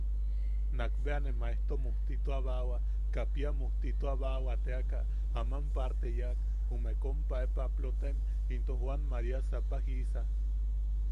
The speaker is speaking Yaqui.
Nakbea ne Maejto mujtituabawa, Kapia mujtituabawa teaka aman parte yaak, jume kompae Paplotaim into Joan María Sapajisa.